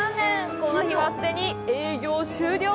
この日はすでに営業終了！